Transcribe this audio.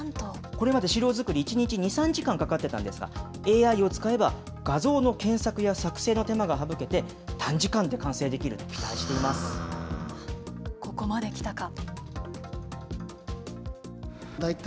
これまで資料作り、１日２、３時間かかっていたんですが、ＡＩを使えば、画像の検索や作成の手間が省けて、短時間で完成でここまできたか。